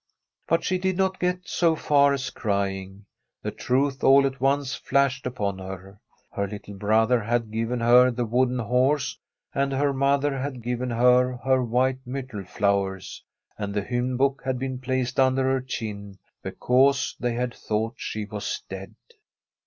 But she did not get so far as crying. The truth all at once flashed upon her. Her little brother had given her the wooden horse, and her mother had given her her white myrtle flow ers, and the hymn book had been placed under her chin, because they had thought she was dead.